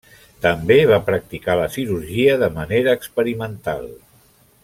També va practicar la cirurgia de manera experimental.